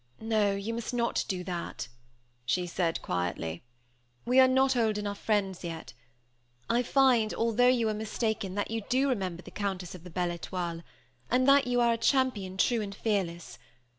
"No, you must not do that," she said quietly, "we are not old enough friends yet. I find, although you were mistaken, that you do remember the Countess of the Belle Étoile, and that you are a champion true and fearless.